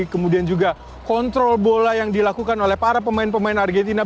kemudian juga kontrol bola yang dilakukan oleh para pemain pemain argentina